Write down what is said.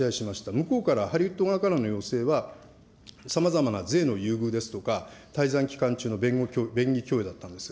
向こうから、ハリウッド側からの要請は、さまざまな税の優遇ですとか、滞在期間中の便宜供与だったんです。